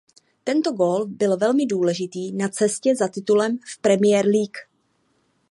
Tento gól byl velmi důležitý na cestě za titulem v Premier League.